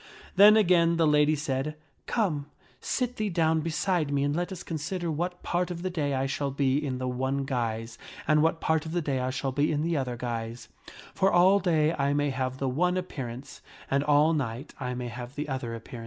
Then again the lady said, Come, sit thee down beside me and consider what part of the day I shall be in the one guise, and what part the day I shall be in the other guise; for all day I may ^ have the one appearance, and all night I may have the other appearance.